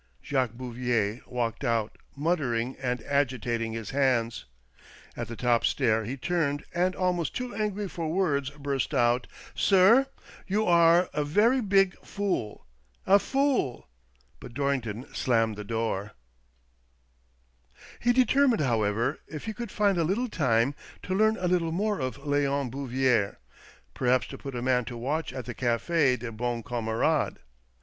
Jacques Bouvier walked out, muttering and agitating his hands. At the top stair he turned and, almost too angry for words, burst out, " Sir — you are a ver' big fool — a fool! " But Dorring ton slammed the door. Q 114 THE DOBlilNGTON DEED BOX « He determined, however, if he could find a little time, to learn a little more of Leon Bouvier — perhaps to put a man to watch at the Cafe des Bons Camarades.